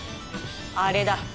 あれだ！